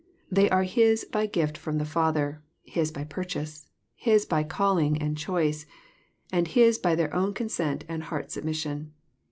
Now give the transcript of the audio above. They are His by gift from the Father, His by purchase. His by call* ing and choice, and His by their own consent and heart Bubmisaion.